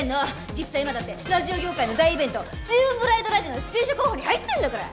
実際今だってラジオ業界の大イベント『ジューンブライドラジオ』の出演者候補に入ってるんだから！